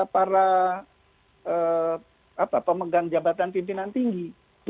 para pemegang jabatan pimpinan tinggi